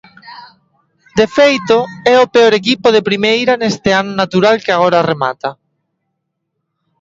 De feito, é o peor equipo de Primeira neste ano natural que agora remata.